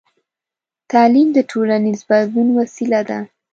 تعلیم د ټولنیز بدلون وسیله ده.